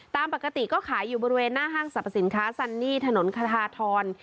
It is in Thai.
ตามปกติก็ขายอยู่บริเวณหน้าห้างสรรพสินค้าซันนี่ถนนคทาทร